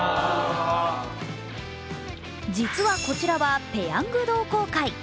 実はこちらは、ペヤング同好会。